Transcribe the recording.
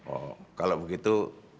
oh kalau begitu